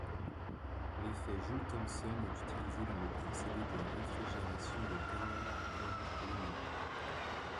L'effet Joule-Thomson est utilisé dans le procédé de réfrigération de Carl von Linde.